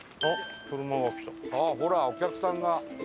あっほらお客さんが。